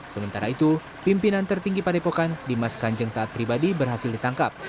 sementara itu pimpinan tertinggi padepokan dimas kanjeng taat pribadi berhasil ditangkap